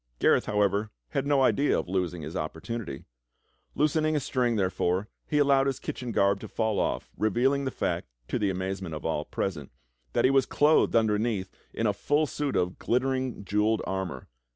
Gareth, however, had no idea of losing his opportunity. Loosen ing a string, therefore, he allowed his kitchen garb to fall off, revealing the fact, to the amazement of all present, that he was clothed under neath in a full suit of glittering, jewelled armor.